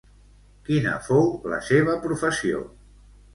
Quina fou la seva professió?